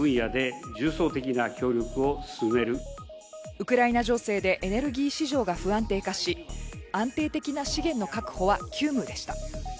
ウクライナ情勢でエネルギー市場が不安定化し、安定的な資源の確保は急務でした。